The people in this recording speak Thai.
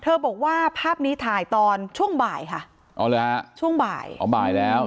บอกว่าภาพนี้ถ่ายตอนช่วงบ่ายค่ะอ๋อเลยฮะช่วงบ่ายอ๋อบ่ายแล้ว